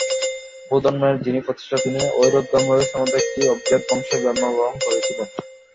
বৌদ্ধধর্মের যিনি প্রতিষ্ঠাতা, তিনি এইরূপ ধর্মব্যবস্থার মধ্যে একটি অভিজাত বংশে জন্মগ্রহণ করিয়াছিলেন।